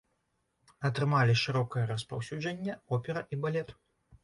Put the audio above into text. Атрымалі шырокае распаўсюджанне опера і балет.